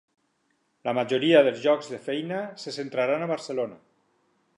La majoria dels llocs de feina se centraran a Barcelona.